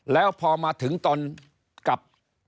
แล้วพอมาถึงตอนกลับ